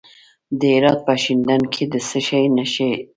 د هرات په شینډنډ کې د څه شي نښې دي؟